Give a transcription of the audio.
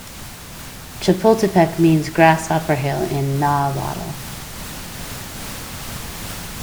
Chapultepec means "grasshopper hill" in Nahuatl.